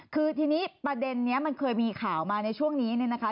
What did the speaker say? คือทีนี้ประเด็นนี้มันเคยมีข่าวมาในช่วงนี้เนี่ยนะคะ